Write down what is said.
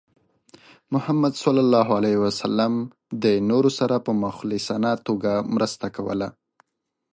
محمد صلى الله عليه وسلم د نورو سره په مخلصانه توګه مرسته کوله.